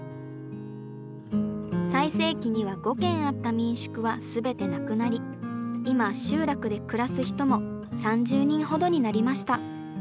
最盛期には５軒あった民宿は全てなくなり今集落で暮らす人も３０人ほどになりました。